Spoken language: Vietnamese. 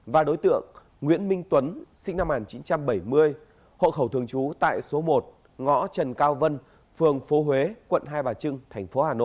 và đối tượng nguyễn minh tuấn sinh năm một nghìn chín trăm bảy mươi hộ khẩu thường trú tại số một ngõ trần cao vân phường phố huế quận hai và chín